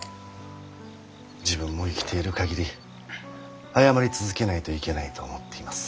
自分も生きている限り謝り続けないといけないと思っています。